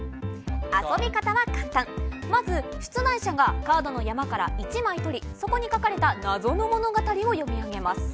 遊び方は簡単、まず、出題者がカードの山から１枚取り、そこに書かれた謎の物語を読み取ります。